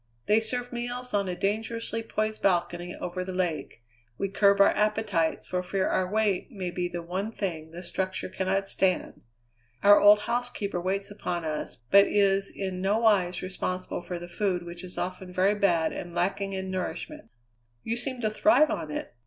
They serve meals on a dangerously poised balcony over the lake; we curb our appetites for fear our weight may be the one thing the structure cannot stand. Our old housekeeper waits upon us, but is in no wise responsible for the food which is often very bad and lacking in nourishment." "You seem to thrive on it."